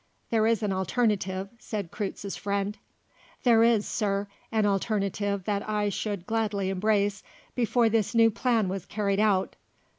"There is an alternative," said Kreutze's friend. "There is, Sir; an alternative that I should gladly embrace before this new plan was carried out.